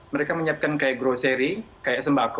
mereka menyiapkan kayak grocery kayak sembako